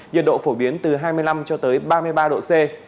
nhiệt độ phổ biến từ hai mươi năm cho tới ba mươi ba độ c